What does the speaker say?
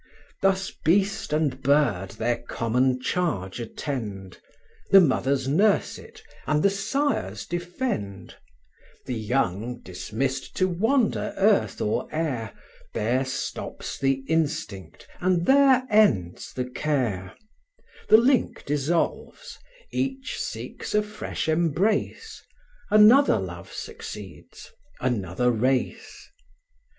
Thus beast and bird their common charge attend, The mothers nurse it, and the sires defend; The young dismissed to wander earth or air, There stops the instinct, and there ends the care; The link dissolves, each seeks a fresh embrace, Another love succeeds, another race.